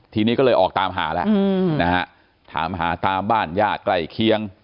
ทีนี้ก็เลยออกตามหาแล้วนะฮะถามหาตามบ้านญาติใกล้เคียง